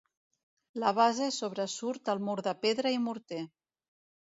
La base sobresurt al mur de pedra i morter.